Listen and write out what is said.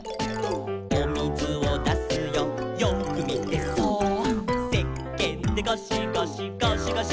「おみずをだすよよーくみてそーっ」「せっけんでゴシゴシゴシゴシ」